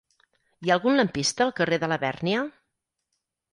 Hi ha algun lampista al carrer de Labèrnia?